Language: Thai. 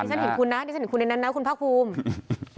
ฉันเห็นคุณนะดิฉันเห็นคุณในนั้นนะคุณภาคภูมิ